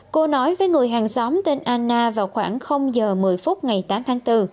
cô nói với người hàng xóm tên ana vào khoảng giờ một mươi phút ngày tám tháng bốn